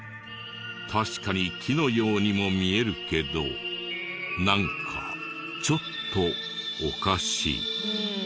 確かに木のようにも見えるけどなんかちょっとおかしい。